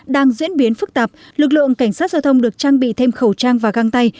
đang diễn biến phức tạp lực lượng cảnh sát giao thông được trang bị thêm khẩu trang và găng tay